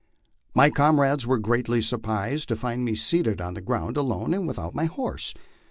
My comrades were greatly surprised to find me seated on the ground alone and without my horse.